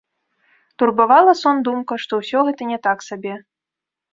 Турбавала сон думка, што ўсё гэта не так сабе.